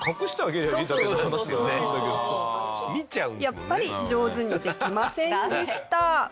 やっぱり上手にできませんでした。